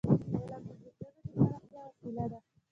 علم د ذهنونو د پراختیا وسیله ده.